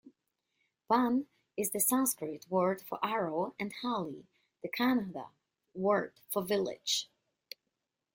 "Ban" is the Sanskrit word for 'arrow' and "Halli" the Kannada word for 'village'.